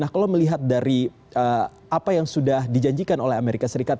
nah kalau melihat dari apa yang sudah dijanjikan oleh amerika serikat